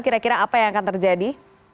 kira kira apa yang akan terjadi